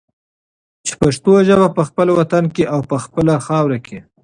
چې پښتو ژبه په خپل وطن کې او په خپله خاوره کې